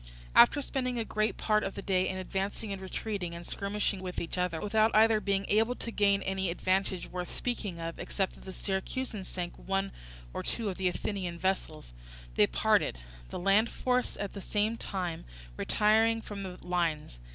After spending a great part of the day in advancing and retreating and skirmishing with each other, without either being able to gain any advantage worth speaking of, except that the Syracusans sank one or two of the Athenian vessels, they parted, the land force at the same time retiring from the lines.